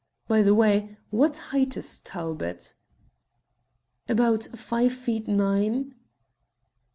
By the way, what height is Talbot?" "About five feet nine."